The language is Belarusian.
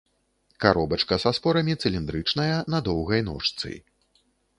Каробачка са спорамі цыліндрычная, на доўгай ножцы.